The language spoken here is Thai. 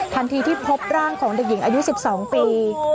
ที่พบร่างของเด็กหญิงอายุ๑๒ปี